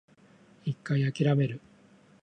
一回諦める